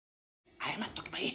謝っとけばいい。